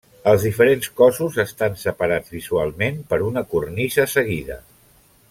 Els diferents cossos estan separats visualment per una cornisa seguida.